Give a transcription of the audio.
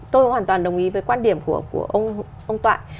tôi hoàn toàn đồng ý với quan điểm của ông toại